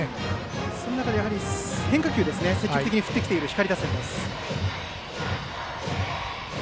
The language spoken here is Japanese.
その中で変化球をしっかり振ってきている光打線。